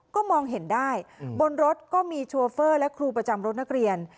ก็มองเห็นได้บนรถก็มีโชเฟอร์และครูประจำรถนักเรียน